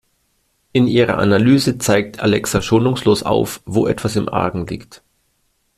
In ihrer Analyse zeigt Alexa schonungslos auf, wo etwas im Argen liegt.